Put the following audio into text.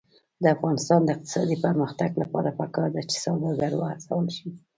د افغانستان د اقتصادي پرمختګ لپاره پکار ده چې سوداګر وهڅول شي.